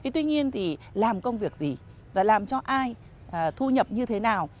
tuy nhiên thì làm công việc gì và làm cho ai thu nhập như thế nào